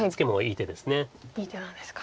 いい手なんですか。